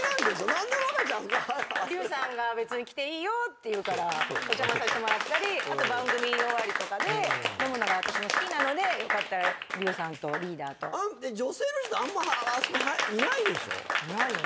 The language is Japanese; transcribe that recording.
何で和歌ちゃん竜さんが別に来ていいよって言うからお邪魔させてもらったりあと番組終わりとかで飲むのが私も好きなのでよかったら竜さんとリーダーといないよね